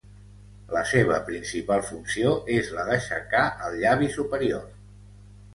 La seva principal funció es la d'aixecar el llavi superior.